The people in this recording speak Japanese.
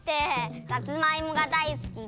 さつまいもがだいすきで。